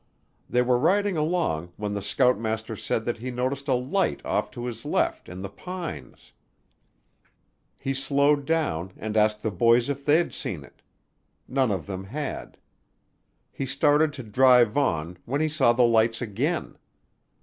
They were riding along when the scoutmaster said that he noticed a light off to his left in the pines. He slowed down and asked the boys if they'd seen it; none of them had. He started to drive on, when he saw the lights again.